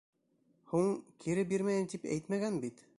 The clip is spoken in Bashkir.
Һуң, кире бирмәйем тип әйтмәгән бит.